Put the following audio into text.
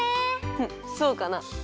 フッそうかな。